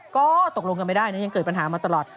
ก็ตกลงกันไม่ได้นะยังเกิดปัญหามาตลอด